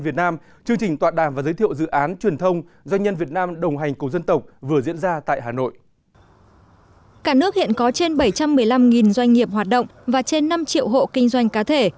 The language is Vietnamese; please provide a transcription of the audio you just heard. cả nước hiện có trên bảy trăm một mươi năm doanh nghiệp hoạt động và trên năm triệu hộ kinh doanh cá thể